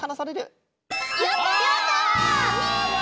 やった！